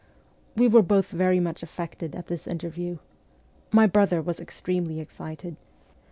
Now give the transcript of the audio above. We were both very much affected at this interview. My brother was extremely excited.